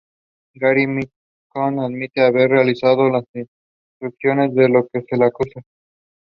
The lab works on questions of community advancement through entrepreneurship.